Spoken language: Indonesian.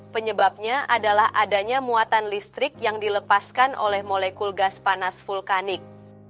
penyebabnya adalah adanya muatan listrik yang dilepaskan oleh molekul gas panas vulkanik